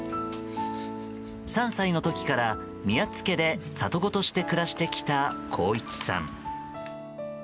３歳の時から宮津家で里子として暮らしてきた航一さん。